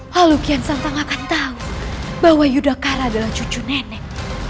lalu kian santang akan tahu bahwa yuda kala adalah cucu nenek